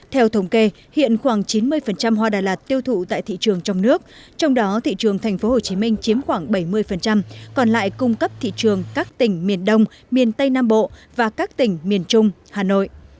theo thống kê hiện khoảng chín mươi hoa đà lạt tiêu thụ tại thị trường trong nước trong đó thị trường tp hcm chiếm khoảng bảy mươi còn lại cung cấp thị trường các tỉnh miền đông miền tây nam bộ và các tỉnh miền trung hà nội